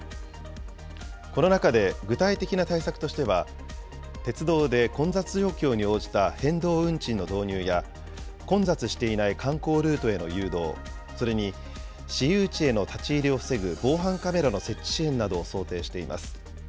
この中で具体的な対策としては、鉄道で混雑状況に応じた変動運賃の導入や、混雑していない観光ルートへの誘導、それに私有地への立ち入りを防ぐ防犯カメラの設置支援などを想定しています。